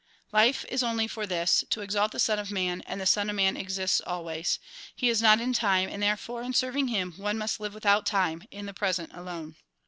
" Life is only for this, to exalt the Son of Man, and the Son of Man exists always. He is not in time ; and therefore, in serving him, one must live without time, in the present alone.